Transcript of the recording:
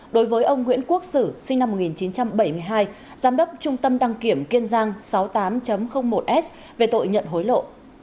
đối với ông nguyễn quốc sử sinh năm một nghìn chín trăm bảy mươi hai giám đốc trung tâm đăng kiểm kiên giang sáu mươi tám một s về tội nhận hối lộ